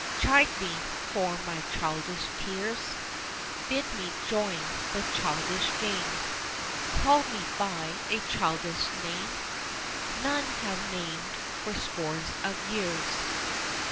Chide me for my childish tears, Bid me join the childish game, Call me by a childish name None have named for scores of years.